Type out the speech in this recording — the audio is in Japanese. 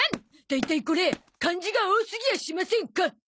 大体これ漢字が多すぎやしませんか？